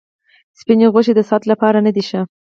سپیني غوښي د صحت لپاره نه دي ښه.